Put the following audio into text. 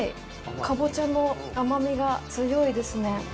カボチャの甘みが強いですね。